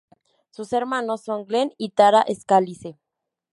Sus hermanos son Glenn y Tara Scalise.